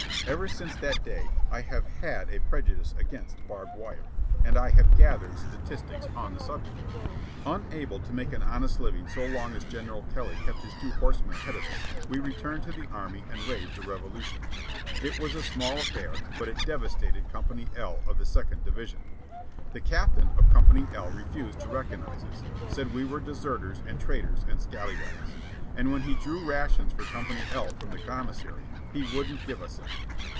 Ever since that day I have had a prejudice against barbed wire, and I have gathered statistics on the subject. Unable to make an honest living so long as General Kelly kept his two horsemen ahead of us, we returned to the Army and raised a revolution. It was a small affair, but it devastated Company L of the Second Division. The captain of Company L refused to recognize us; said we were deserters, and traitors, and scalawags; and when he drew rations for Company L from the commissary, he wouldn't give us any.